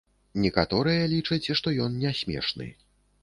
Некаторыя лічаць, што ён не смешны.